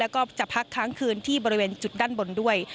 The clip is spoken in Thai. แล้วก็จะพักค้างคืนที่บริเวณจุดด้านบนด้วย